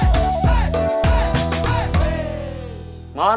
semarang semarang semarang